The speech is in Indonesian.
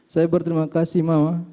saya berterima kasih mama